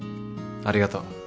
ありがとう。